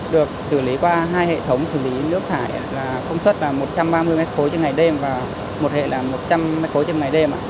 được xử lý qua hai hệ thống xử lý nước thải là công suất là một trăm ba mươi m ba trên ngày đêm và một hệ là một trăm linh m ba trên ngày đêm